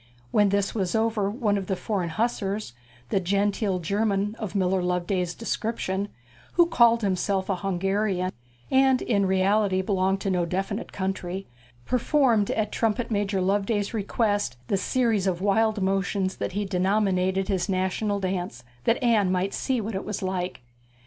When this was over one of the foreign hussars the genteel German of Miller Loveday's description, who called himself a Hungarian, and in reality belonged to no definite country performed at Trumpet major Loveday's request the series of wild motions that he denominated his national dance, that Anne might see what it was like.